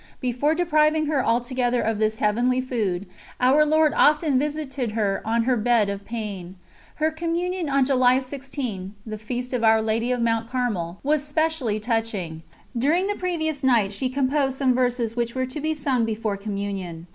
Before depriving her altogether of this Heavenly Food, Our Lord often visited her on her bed of pain. Her Communion on July 16, the feast of Our Lady of Mount Carmel, was specially touching. During the previous night she composed some verses which were to be sung before Communion.